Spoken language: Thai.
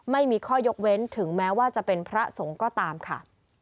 ไม่มีข้อยกเว้นถึงแม้ว่าจะเป็นพระสงฆ์ก็ตามค่ะ